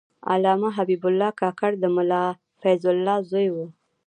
علامه حبیب الله کاکړ د ملا فیض الله زوی و.